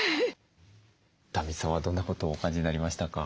壇蜜さんはどんなことをお感じになりましたか？